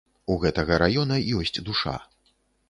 У гэтага раёна ёсць душа.